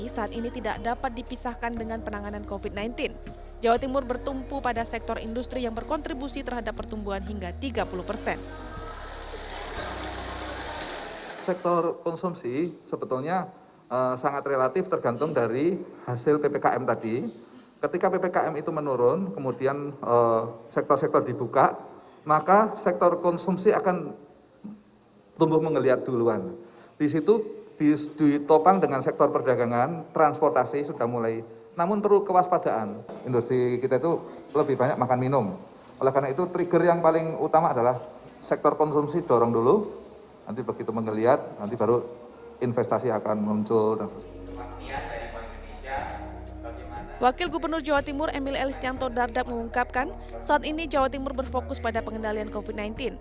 saat ini jawa timur berfokus pada pengendalian covid sembilan belas